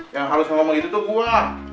yang harusnya banget itu buah